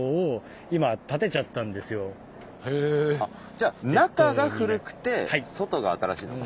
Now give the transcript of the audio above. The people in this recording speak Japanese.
じゃ中が古くて外が新しいのか。